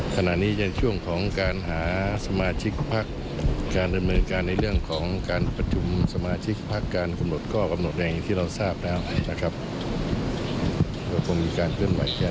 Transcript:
ก็คงมีการเคลื่อนไหวแค่นั้นเท่าที่อยู่